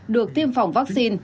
được tiêm phòng vaccine